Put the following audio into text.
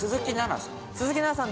鈴木奈々さん？